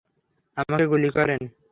আমাকে গুলি করেন!